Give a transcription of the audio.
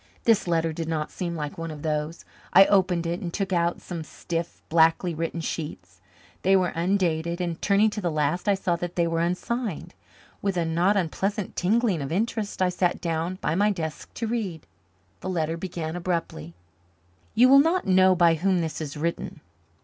This letter did not seem like one of those. I opened it and took out some stiff, blackly written sheets. They were undated and, turning to the last, I saw that they were unsigned. With a not unpleasant tingling of interest I sat down by my desk to read. The letter began abruptly: You will not know by whom this is written.